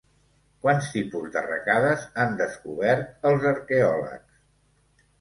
Quants tipus d'arracades han descobert els arqueòlegs?